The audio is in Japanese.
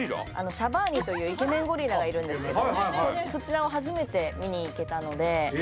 シャバーニというイケメンゴリラがいるんですけどそちらを初めて見に行けたのでえ！